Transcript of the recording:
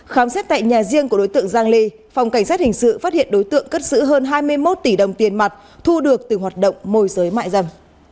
khám xét tại nhà riêng của đối tượng giang ly phòng cảnh sát hình sự phát hiện đối tượng cất giữ hơn hai mươi một tỷ đồng tiền mặt thu được từ hoạt động môi giới mại dâm